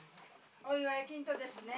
お祝い金とですね